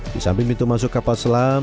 di samping pintu masuk kapal selam